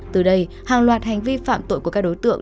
từ đây hàng loạt hành vi phạm tội của các đối tượng